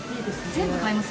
全部買います。